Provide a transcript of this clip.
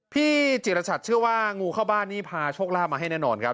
พี่จิรชัดเชื่อว่างูเข้าบ้านนี่พาโชคลาภมาให้แน่นอนครับ